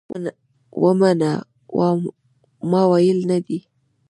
ما ورته درواغ وویل: زما خبره ومنه، ما ویلي نه دي.